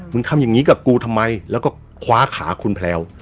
ทำอย่างนี้กับกูทำไมแล้วก็คว้าขาคุณแพลว